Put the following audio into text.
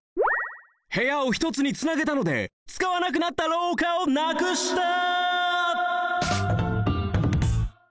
部屋をひとつにつなげたのでつかわなくなったろうかをなくした！